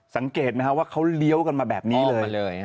สังเกตว่าเขาเลี้ยวกันมาแบบนี้เลย